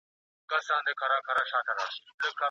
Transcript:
محصلینو مخکي لا خپلي فرضیې طرحه کړې وې.